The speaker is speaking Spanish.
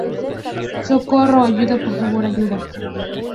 ¡ socorro! ¡ ayuda, por favor, ayuda!